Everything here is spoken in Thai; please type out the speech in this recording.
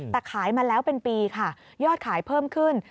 แต่ขายมาแล้วเป็นปีค่ะยอดขายเพิ่มขึ้น